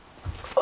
あ。